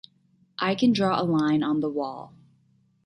I can draw a line on the wall.